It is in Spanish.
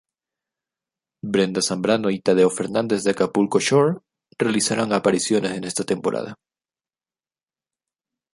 Brenda Zambrano y Tadeo Fernandez de Acapulco Shore realizaron apariciones en esta temporada.